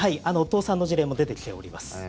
倒産の事例も出てきております。